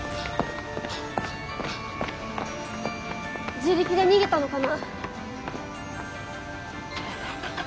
自力で逃げたのかな？